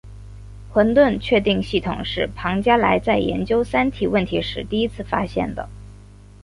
混沌确定系统是庞加莱在研究三体问题时第一次发现的。